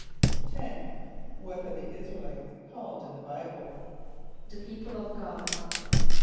= =10.= What are the [)I][s+]´ra el [=i]tes called in the Bible? =The people of God.